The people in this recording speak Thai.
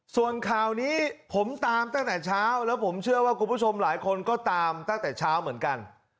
ส่วนข่าวนี้ผมตามตั้งแต่เช้าแล้วผมเชื่อว่าคุณผู้ชมหลายคนก็ตามตั้งแต่เช้าเหมือนกัน